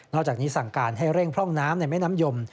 จากนี้สั่งการให้เร่งพร่องน้ำในแม่น้ำยม